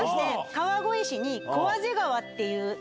川越市に。